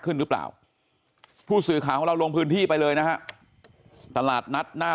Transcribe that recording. ขึ้นหรือเปล่าผู้สื่อข่าวของเราลงพื้นที่ไปเลยนะฮะตลาดนัดหน้า